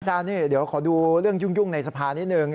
อาจารย์นี่เดี๋ยวขอดูเรื่องยุ่งในสภานี่หนึ่ง